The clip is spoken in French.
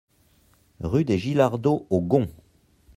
Rue des Gillardeaux aux Gonds